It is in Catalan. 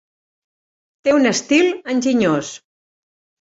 Té un estil enginyós.